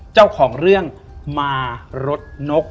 เจ้าของเรื่องมารถนก